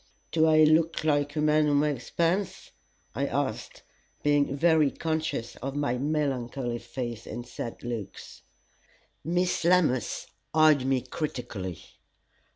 "Do I look like a man who makes puns?" I asked, being very conscious of my melancholy face and sad looks. Miss Lammas eyed me critically.